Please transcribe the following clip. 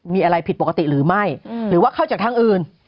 มีอะไรผิดปกติหรือไม่หรือว่าเข้าจากทางอื่น